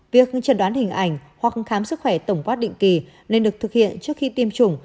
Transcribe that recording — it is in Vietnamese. việc trần đoán hình ảnh hoặc khám sức khỏe tổng quát định kỳ nên được thực hiện trước khi tiêm chủng